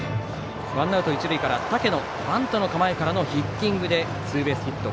ワンアウト一塁から竹野、バントの構えからのヒッティングでツーベースヒット。